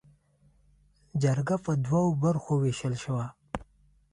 جرګه پر دوو برخو ووېشل شوه.